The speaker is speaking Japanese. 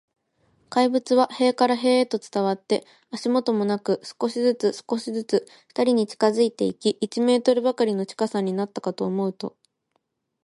怪物は塀から塀へと伝わって、足音もなく、少しずつ、少しずつ、ふたりに近づいていき、一メートルばかりの近さになったかと思うと、